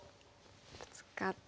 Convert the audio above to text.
ブツカって。